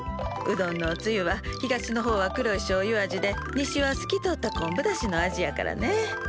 うどんのおつゆは東の方は黒いしょうゆ味で西はすき通ったこんぶだしの味やからね。